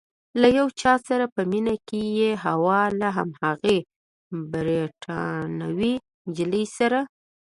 له یو چا سره په مینه کې یې؟ هو، له هماغې بریتانوۍ نجلۍ سره؟